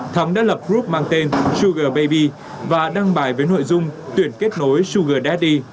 thắng đã lập group mang tên sugar baby và đăng bài với nội dung tuyển kết nối sugar daddy